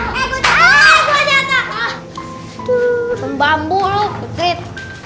gila juga gak kena mungkin